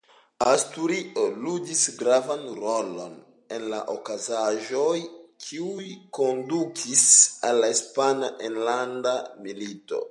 Asturio ludis gravan rolon en la okazaĵoj, kiuj kondukis al la Hispana Enlanda Milito.